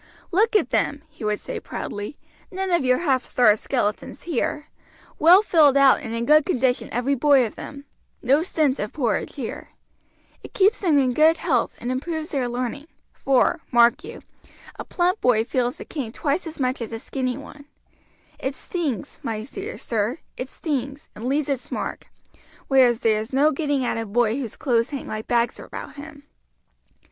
"Look at them!" he would say proudly. "None of your half starved skeletons here well filled out and in good condition every boy of them no stint of porridge here. It keeps them in good health and improves their learning; for, mark you, a plump boy feels the cane twice as much as a skinny one; it stings, my dear sir, it stings, and leaves its mark; whereas there is no getting at a boy whose clothes hang like bags about him."